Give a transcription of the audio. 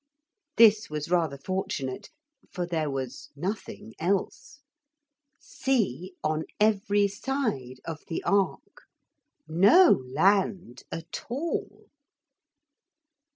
This was rather fortunate, for there was nothing else. Sea on every side of the ark. No land at all.